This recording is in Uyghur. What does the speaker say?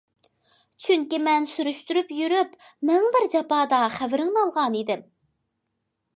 چۈنكى مەن سۈرۈشتۈرۈپ يۈرۈپ، مىڭ بىر جاپادا خەۋىرىڭنى ئالغانىدىم.